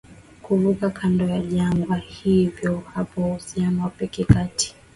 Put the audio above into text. kuvuka kanda la jangwa Hivyo upo uhusiano wa pekee kati